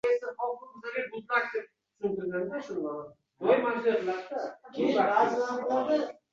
Yuzaki qarashgina jamiyatni - iqtidor egalari va mazlumlarga tasniflashga turtki beradi.